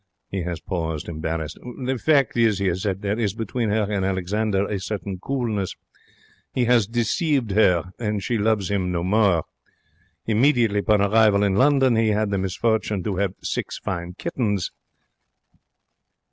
He has paused, embarrassed. 'The fact is,' he has said, 'there is between her and Alexander a certain coolness. He 'as deceived 'er, and she loves him no more. Immediately upon arrival in London, he had the misfortune to 'ave six fine kittens.